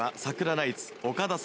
ナイツ岡田紗佳